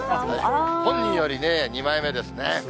本人より二枚目ですね。